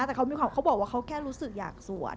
แต่เขาบอกว่าเขาแค่รู้สึกอยากสวด